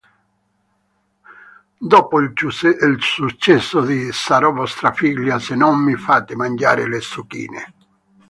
Dopo il successo di "Sarò vostra figlia se non mi fate mangiare le zucchine.